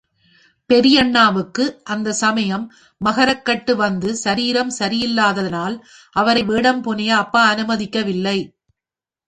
பெரியண்ணாவுக்கு அந்தச் சமயம் மகரக் கட்டு வந்து சாரீரம் சரியில்லாதலால் அவரை வேடம் புனைய அப்பா அனுமதிக்கவில்லை.